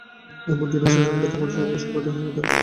এমন দিন আসুক, যখন প্রত্যেক মানুষ এক একটি সম্প্রদায় হইয়া দাঁড়াইবে।